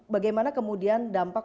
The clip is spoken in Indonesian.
bagaimana kemudian dampak